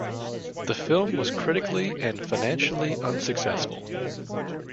The film was critically and financially unsuccessful.